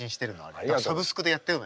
サブスクでやってるの。